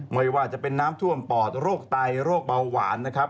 ไม่ว่าจะเป็นน้ำท่วมปอดโรคไตโรคเบาหวานนะครับ